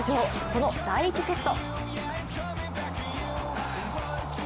その第１セット。